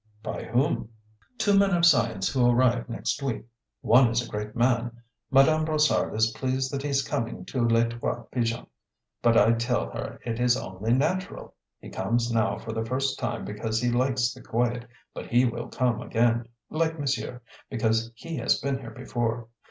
"By whom?" "Two men of science who arrive next week. One is a great man. Madame Brossard is pleased that he is coming to Les Trois Pigeons, but I tell her it is only natural. He comes now for the first time because he likes the quiet, but he will come again, like monsieur, because he has been here before.